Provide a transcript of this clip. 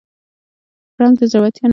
پړانګ د زړورتیا نښه ګڼل کېږي.